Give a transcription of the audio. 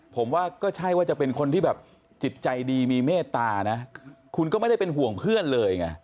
ผมว่าก็ใช่ว่าจะเป็นคนที่แบบจิตใจดีมีเมตตานะคุณก็ไม่ได้เป็นห่วงเพื่อนเลยไง